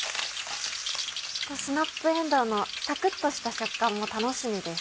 スナップえんどうのサクっとした食感も楽しみです。